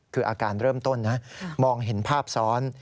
คืออาการเริ่มต้นนะมองเห็นภาพซ้อน